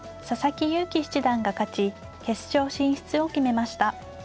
勇気七段が勝ち決勝進出を決めました。